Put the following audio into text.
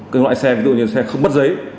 các loại xe ví dụ như xe không bắt giấy